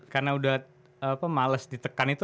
karena sudah males ditekan itu